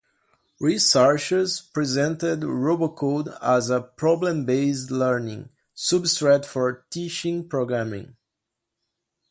Researchers presented "RoboCode" as a "problem-based learning" substrate for teaching programming.